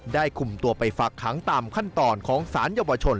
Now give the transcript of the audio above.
คุมตัวไปฝากขังตามขั้นตอนของสารเยาวชน